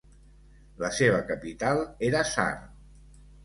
La seva capital era Sarh.